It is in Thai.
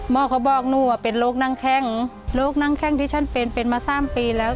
เขาบอกหนูว่าเป็นโรคนั่งแข้งโรคนั่งแข้งที่ฉันเป็นเป็นมา๓ปีแล้ว